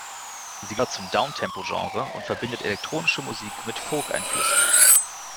Sie gehört zum Downtempo-Genre und verbindet elektronische Musik mit Folk-Einflüssen.